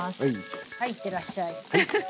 はい行ってらっしゃい！